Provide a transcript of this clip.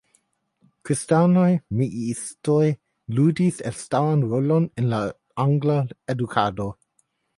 Kristanaj misiistoj ludis elstaran rolon en la angla edukado.